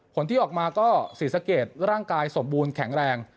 ผลที่ออกมาก็ศรีสะเกดร่างกายสมบูรณ์แข็งแรง